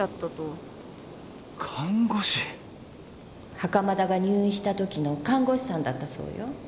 袴田が入院したときの看護師さんだったそうよ